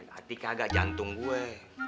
hati kagak jantung gue